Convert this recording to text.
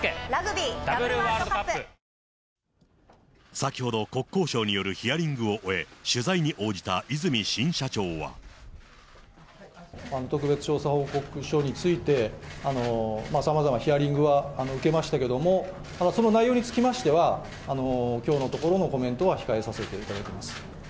先ほど、国交省によるヒアリングを終え、特別調査報告書について、さまざまヒアリングは受けましたけども、ただ、その内容につきましては、きょうのところのコメントは控えさせていただきます。